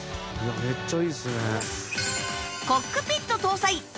めっちゃいいっすね。